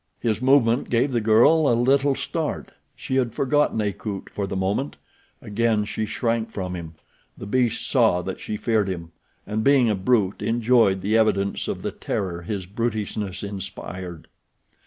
His movement gave the girl a little start—she had forgotten Akut for the moment. Again she shrank from him. The beast saw that she feared him, and being a brute enjoyed the evidence of the terror his brutishness inspired.